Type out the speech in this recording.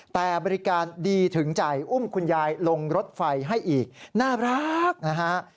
แต่บริการดีถึงใจอุ้มคุณยายลงรถไฟให้อีกน่ารักนะฮะ